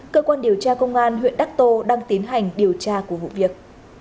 cơ quan điều tra công an huyện đắc tô đang tiến hành điều tra của vụ việc